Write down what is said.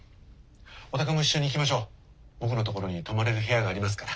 お宅も一緒に行きましょう僕のところに泊まれる部屋がありますから。